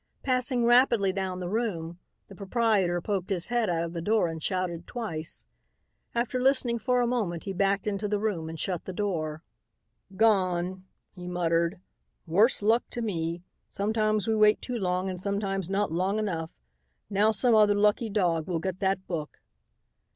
Passing rapidly down the room, the proprietor poked his head out of the door and shouted twice. After listening for a moment he backed into the room and shut the door. "Gone," he muttered. "Worse luck to me. Sometimes we wait too long and sometimes not long enough. Now some other lucky dog will get that book."